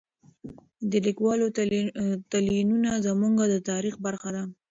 د لیکوالو تلینونه زموږ د تاریخ برخه ده.